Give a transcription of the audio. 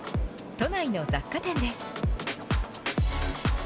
都内の雑貨店です。